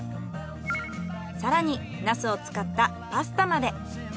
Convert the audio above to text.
更にナスを使ったパスタまで。